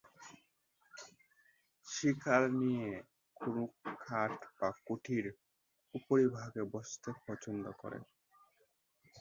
শিকার নিয়ে কোন কাঠ বা খুঁটির উপরিভাগে বসতে পছন্দ করে।